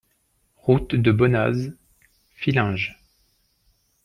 Route de Bonnaz, Fillinges